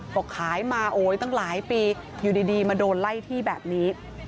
ก็ขายมาโอ้ยตั้งหลายปีอยู่ดีมาโดนไล่ที่แบบนี้